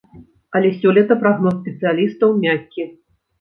Але сёлета прагноз спецыялістаў мяккі.